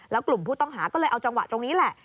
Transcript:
แล้วกลุ่มผู้ต้องหาก็เลยเอาจังหวะตรงนี้แหละ